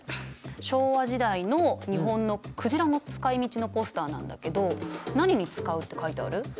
昭和時代の日本の鯨の使いみちのポスターなんだけど何に使うって書いてある？